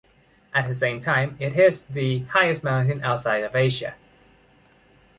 At the same time, it is the highest mountain outside of Asia.